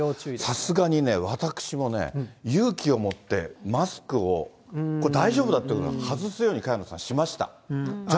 さすがに私もね、勇気を持ってマスクをこれ、大丈夫だと、外すように、萱野さん、しました。